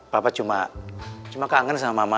bapak cuma kangen sama mama